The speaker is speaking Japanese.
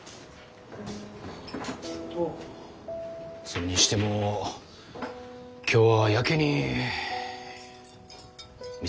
それにしても今日はやけに店が広いな。